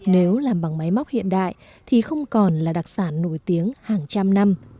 nếu làm bằng máy móc hiện đại thì không còn là đặc sản nổi tiếng hàng trăm năm